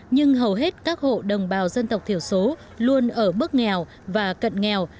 nhưng hầu hết các hộ đồng bào dân tộc thiểu số luôn ở bước nghèo và cận nghèo